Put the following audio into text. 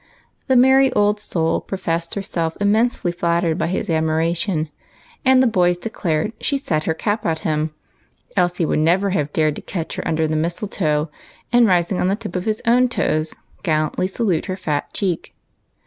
The merry old soul professed herself immensely flattered by his admiration, and the boys declared she " set her cap at him," else he would never have dared to catch her under the mistletoe, and, ris ing on the tips of his own toes, gallantly salute her fat cheek.